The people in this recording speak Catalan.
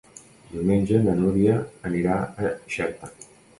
Diumenge na Núria anirà a Xerta.